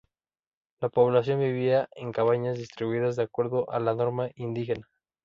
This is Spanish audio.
La población vivía en cabañas distribuidas de acuerdo a la norma indígena.